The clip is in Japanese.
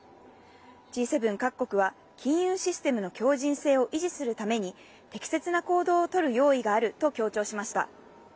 Ｇ７各国は金融システムの強じん性を維持するために、適切な行動を取る用意があると強調しました。